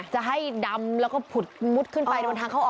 จะให้ดำแล้วก็ผุดมุดขึ้นไปโดนทางเข้าออก